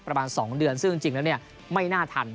ประมาณสองเดือนซึ่งจริงจริงแล้วเนี่ยไม่น่าทัน